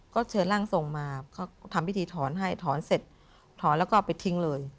ก็เชิญร่างทรงมาเขาทำพิธีถอนให้ถอนเสร็จถอนแล้วก็เอาไปทิ้งเลย